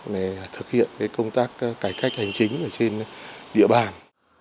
để thực hiện công tác cải cách hành chính trên địa bàn